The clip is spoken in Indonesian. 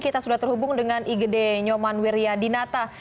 kita sudah terhubung dengan igd nyoman wiryadinata